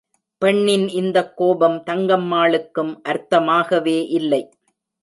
பெண்ணின் இந்தக் கோபம் தங்கம்மாளுக்கும் அர்த்தமாகவே இல்லை.